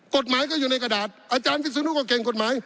กฎหมายก็อยู่ในกระดาษอาจารย์วิศนุก็เก่งกฎหมาย